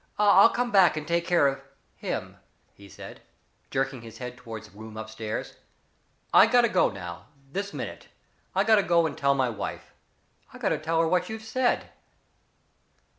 "I'll come back and take care of him," he said, jerking his head toward the room up stairs. "I got to go now this minute I got to go and tell my wife. I got to tell her what you've said."